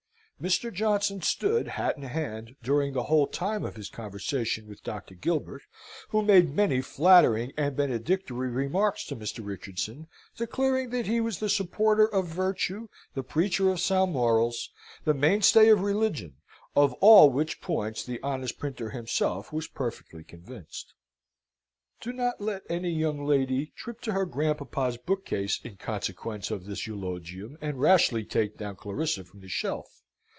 Mr. Johnson stood, hat in hand, during the whole time of his conversation with Dr. Gilbert; who made many flattering and benedictory remarks to Mr. Richardson, declaring that he was the supporter of virtue, the preacher of sound morals, the mainstay of religion, of all which points the honest printer himself was perfectly convinced. Do not let any young lady trip to her grandpapa's bookcase in consequence of this eulogium, and rashly take down Clarissa from the shelf.